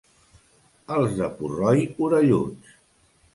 Els de Purroi, orelluts.